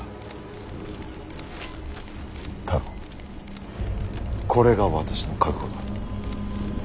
太郎これが私の覚悟だ。